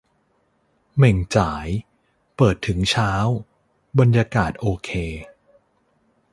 เหม่งจ๋าย เปิดถึงเช้า บรรยากาศโอเค